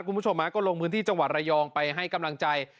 คุณผู้ชมก็ลงพื้นที่จังหวัดระยองไปให้กำลังใจ